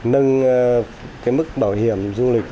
nâng cái mức bảo hiểm du lịch